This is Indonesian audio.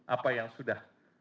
apa yang sudah